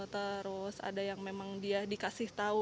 terus ada yang memang dia dikasih tahu